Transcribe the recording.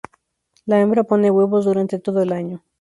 La hembra pone huevos durante todo el año.